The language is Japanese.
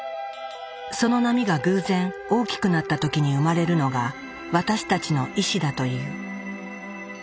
その波が偶然大きくなった時に生まれるのが私たちの意志だという。